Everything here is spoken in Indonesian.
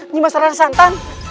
nimas rara santang